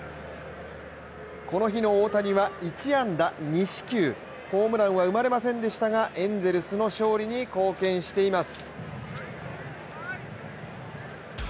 この日の大谷は１安打２四球、ホームランは生まれませんでしたがエンゼルスの勝利に貢献しています。